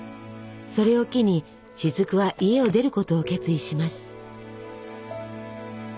それを機に雫は家を出ることを決意します。